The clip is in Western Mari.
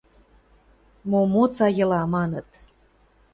— Момоца йыла, маныт.